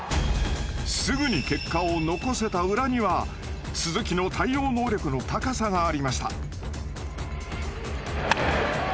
すぐに結果を残せた裏には鈴木の対応能力の高さがありました。